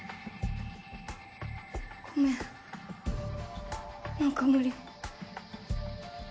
ごめんなんか無理。